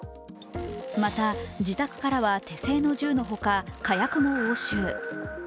また、自宅からは手製の銃の他、火薬も押収。